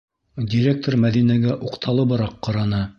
- Директор Мәҙинәгә уҡталыбыраҡ ҡараны.